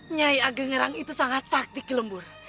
nyai ageng erang itu sangat sakti kilembur